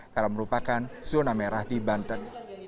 karena merupakan zona merah di banten